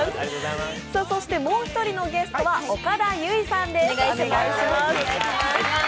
もう一人のゲストは、岡田結実さんです。